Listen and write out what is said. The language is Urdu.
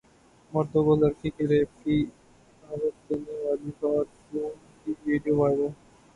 مردوں کو لڑکی کے ریپ کی دعوت دینے والی خاتون کی ویڈیو وائرل